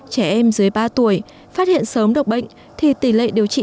trẻ em dưới ba tuổi phát hiện sớm độc bệnh thì tỷ lệ điều trị